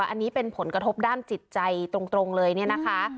อันนี้เป็นผลกระทบด้านจิตใจตรงเลยเนี่ยนะคะ